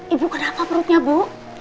ibu kenapa perutnya bu